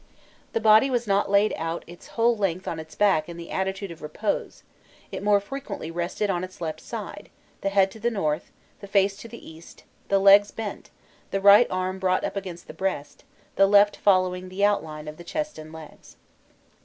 The body was not laid out its whole length on its back in the attitude of repose: it more frequently rested on its left side, the head to the north, the face to the east, the legs bent, the right arm brought up against the breast, the left following the outline of the chest and legs.